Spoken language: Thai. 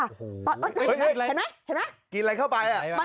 เห็นไหมเห็นไหมเห็นไหมกินอะไรเข้าไปอ่ะ